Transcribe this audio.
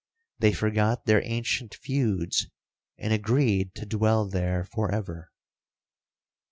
They forgot their ancient feuds, and agreed to dwell there for ever.